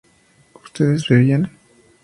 ¿ustedes bebían?